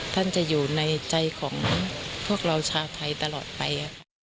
ท่านจะอยู่ในใจของพวกเราชาวไทยตลอดไป